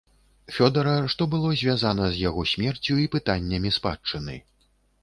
Фёдара, што было звязана з яго смерцю і пытаннямі спадчыны.